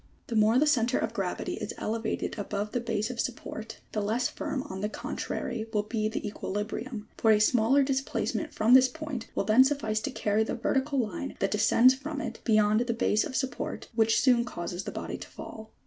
The more the centre of gravity is elevated above the base of support, the less firm on the contrary will be the equilibrium, fbi a smaller displacement from this point will then suffice to carry the vertical line, that descends from it, beyond the base of support which soon causes the body to fall.